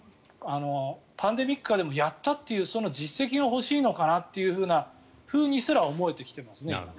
パンデミック下でもやったという実績が欲しいのかなというふうにすら思えてきますね。